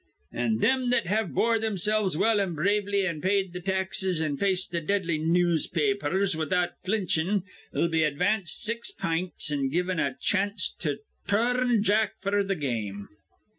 An' thim that have bore thimsilves well an' bravely an' paid th' taxes an' faced th' deadly newspa apers without flinchin' 'll be advanced six pints an' given a chanst to tur rn jack f'r th' game.